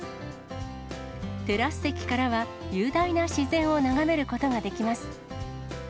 テラス席からは、雄大な自然を眺めることができます。